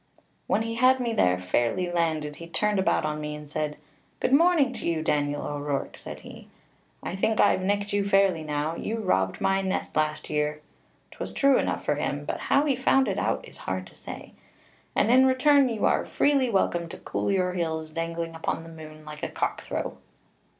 "When he had me there fairly landed, he turned about on me, and said, 'Good morning to you, Daniel O'Rourke,' said he; 'I think I've nicked you fairly now. You robbed my nest last year' ('twas true enough for him, but how he found it out is hard to say), 'and in return you are freely welcome to cool your heels dangling upon the moon like a cockthrow.'